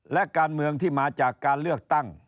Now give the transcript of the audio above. และการเมืองที่มาจากการเลือกตั้ง